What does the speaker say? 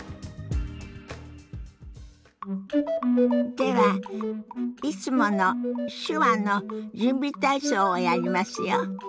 ではいつもの手話の準備体操をやりますよ。